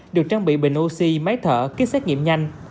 được trang bị bình oxy máy thở kích xét nghiệm nhanh